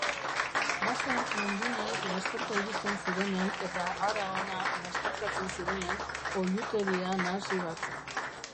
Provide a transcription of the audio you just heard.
Bazen nondinahi lasterka iristen zirenen eta hara-hona lasterkatzen zirenen oihuteria nahasi bat.